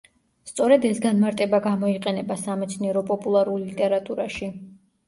სწორედ ეს განმარტება გამოიყენება სამეცნიერო-პოპულარულ ლიტერატურაში.